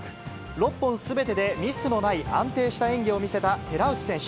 ６本すべてでミスのない安定した演技を見せた寺内選手。